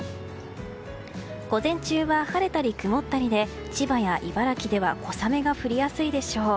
午前中は晴れたり曇ったりで千葉や茨城では小雨が降りやすいでしょう。